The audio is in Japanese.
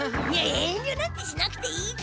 遠りょなんてしなくていいだ。